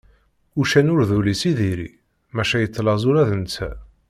Uccen ur d ul-is i diri, maca yettlaẓ ula d netta.